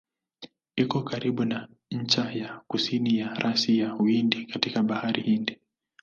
Iko karibu na ncha ya kusini ya rasi ya Uhindi katika Bahari Hindi.